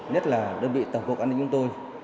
nhất là đơn vị tổng cục an ninh của tôi